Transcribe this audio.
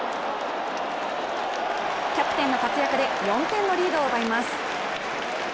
キャプテンの活躍で４点のリードを奪います。